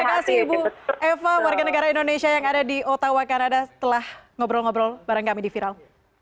terima kasih ibu eva warga negara indonesia yang ada di ottawa kanada telah ngobrol ngobrol bareng kami di viral